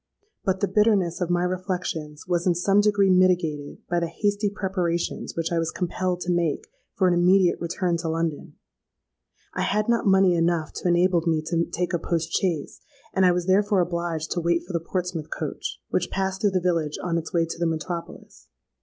But the bitterness of my reflections was in some degree mitigated by the hasty preparations which I was compelled to make for an immediate return to London. I had not money enough to enable me to take a post chaise; and I was therefore obliged to wait for the Portsmouth coach, which passed through the village on its way to the metropolis.